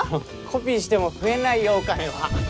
コピーしても増えないよお金は。